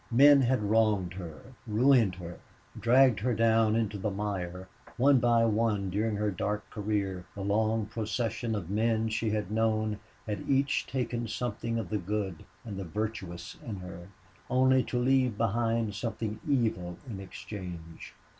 Men had wronged her, ruined her, dragged her down into the mire. One by one, during her dark career, the long procession of men she had known had each taken something of the good and the virtuous in her, only to leave behind something evil in exchange.